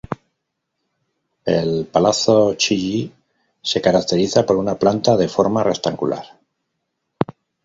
El Palazzo Chigi se caracteriza por una planta de forma rectangular.